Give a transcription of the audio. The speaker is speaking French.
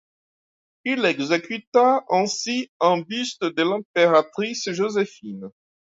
Il exécuta ainsi un buste de l'impératrice Joséphine.